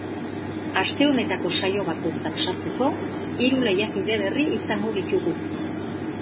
Aste honetako saio bikoitza osatzeko, hiru lehiakide berri izango ditugu.